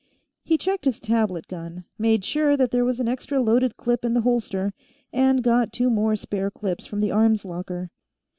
He checked his tablet gun, made sure that there was an extra loaded clip in the holster, and got two more spare clips from the arms locker.